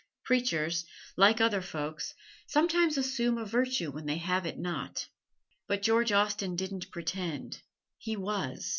Preachers, like other folks, sometimes assume a virtue when they have it not. But George Austen didn't pretend he was.